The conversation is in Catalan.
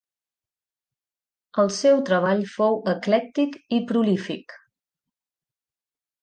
El seu treball fou eclèctic i prolífic.